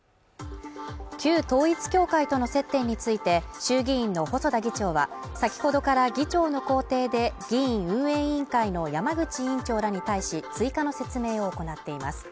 旧統一教会との接点について衆議院の細田議長は先ほどから議長の公邸で議院運営委員会の山口委員長らに対し追加の説明を行っています